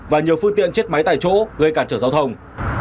và nhiều phương tiện chết máy tại chỗ gây cản trở giao thông